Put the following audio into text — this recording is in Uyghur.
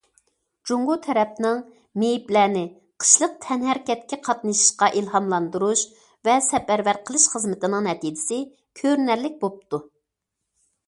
جۇڭگو تەرەپنىڭ مېيىپلەرنى قىشلىق تەنھەرىكەتكە قاتنىشىشقا ئىلھاملاندۇرۇش ۋە سەپەرۋەر قىلىش خىزمىتىنىڭ نەتىجىسى كۆرۈنەرلىك بوپتۇ.